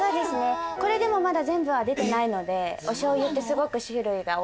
これでもまだ全部は出てないのでお醤油ってすごく種類が多くて。